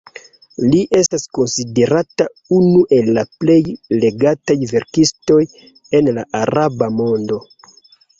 Li estas konsiderata unu el la plej legataj verkistoj en la araba mondo.